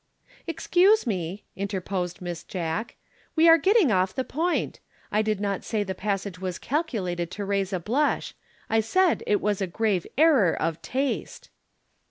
"Excuse me," interposed Miss Jack. "We are getting off the point. I did not say the passage was calculated to raise a blush, I said it was a grave error of taste."